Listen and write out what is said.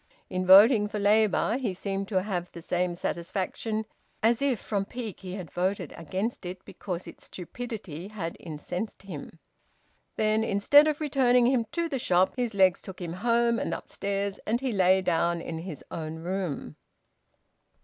In voting for Labour, he seemed to have the same satisfaction as if from pique he had voted against it because its stupidity had incensed him. Then, instead of returning him to the shop, his legs took him home and upstairs, and he lay down in his own room.